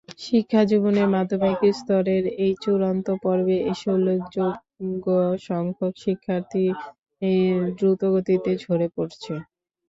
শিক্ষাজীবনের মাধ্যমিক স্তরের এই চূড়ান্ত পর্বে এসে উল্লেখযোগ্যসংখ্যক শিক্ষার্থী দ্রুতগতিতে ঝরে পড়ছে।